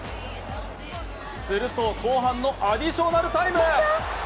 すると、後半のアディショナルタイム！